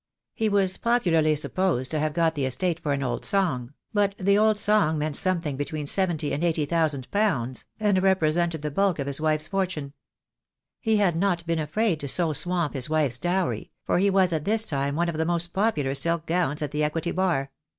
He was popularly supposed to have got the estate for an old song; but the old song meant something between seventy and eighty thousand pounds, and represented the bulk of his wife's fortune. He had not been afraid so to swamp his wife's dowry, for he was at this time one of the most popular silk gowns at the equity Bar.